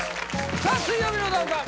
さあ「水曜日のダウンタウン」